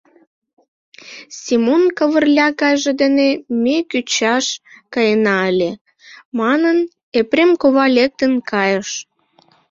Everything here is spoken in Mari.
Семон Кавырля гайже дене ме кӱчаш каена ыле, — манын, Епрем кува лектын кайыш.